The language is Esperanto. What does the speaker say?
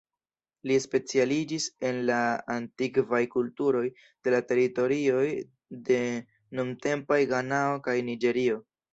Li specialiĝis en la antikvaj kulturoj de la teritorioj de nuntempaj Ganao kaj Niĝerio.